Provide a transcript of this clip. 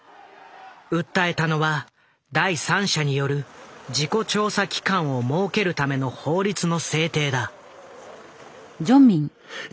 訴えたのは第三者による事故調査機関を設けるための法律の制定だ。